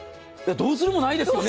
どうするもないですよね。